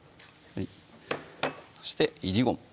そしていりごま